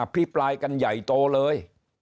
พิปรายกันใหญ่โตเลย